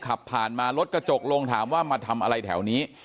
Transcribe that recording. ขับผ่านมารถกระจกลงถามว่ามาทำอะไรแถวนี้